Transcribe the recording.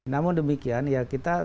namun demikian ya kita